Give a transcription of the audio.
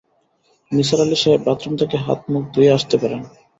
নিসার আলি সাহেব, বাথরুম থেকে হাত-মুখ ধুয়ে আসতে পারেন।